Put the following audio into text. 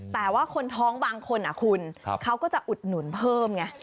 แต่ว่าคนท้องบางคนคุณเขาก็จะอุดหนุนเพิ่มไง